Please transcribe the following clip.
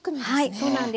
はいそうなんです。